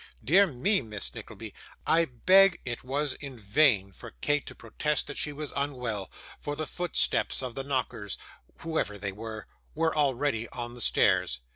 'Dear me, Miss Nickleby, I beg ' It was in vain for Kate to protest that she was unwell, for the footsteps of the knockers, whoever they were, were already on the stairs.